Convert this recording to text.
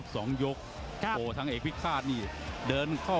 ต้องมาบังคิดผัญหาด้วยนะ